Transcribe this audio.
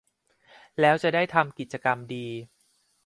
แล้วจะได้ทำกิจกรรมดี